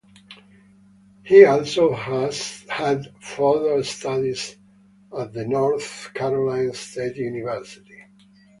He also had further studies at the North Carolina State University.